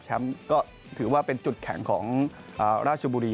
ก็ถือว่าเป็นจุดแข็งของราชบุรี